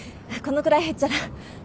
このくらいへっちゃら。